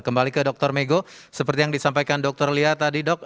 kembali ke dr mego seperti yang disampaikan dokter lia tadi dok